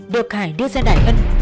được hải đưa ra đại ân